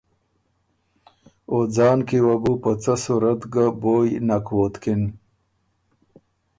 او ځان کی وه بو په څۀ صورت ګۀ بویٛ نک ووتکِن۔